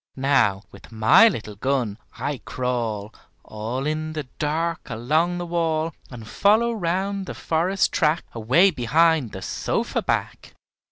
Now, with my little gun, I crawl All in the dark along the wall, And follow round the forest track Away behind the sofa back.